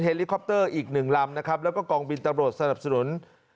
ลิคอปเตอร์อีกหนึ่งลำนะครับแล้วก็กองบินตำรวจสนับสนุน